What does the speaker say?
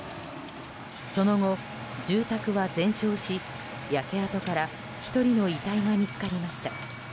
その後、住宅は全焼し焼け跡から１人の遺体が見つかりました。